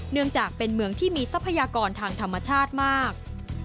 เนื่องจากเป็นเมืองที่มีทรัพยากรทางธรรมชาติมาก